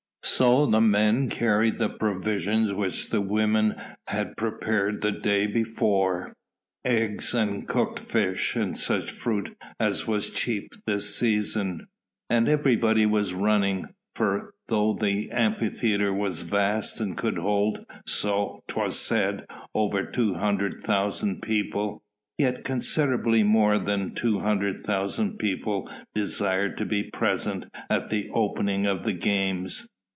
So the men carried the provisions which the women had prepared the day before eggs and cooked fish and such fruit as was cheap this season. And everybody was running, for though the Amphitheatre was vast and could hold so 'twas said over two hundred thousand people, yet considerably more than two hundred thousand people desired to be present at the opening of the games.